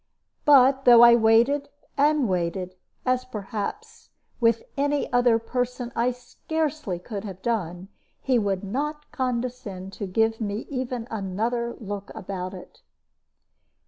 But, though I waited and waited, as, perhaps, with any other person I scarcely could have done, he would not condescend to give me even another look about it.